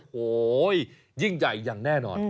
โอ้โหยิ่งยัยอยังแน่นอน